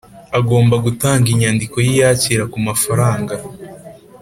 Agomba gutanga inyandiko y’iyakira ku mafaranga